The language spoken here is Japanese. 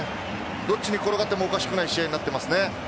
どっちに転がってもおかしくない試合になっていますね。